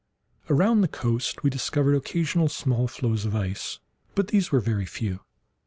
Around the coast we discovered occasional small floes of ice—but these were very few.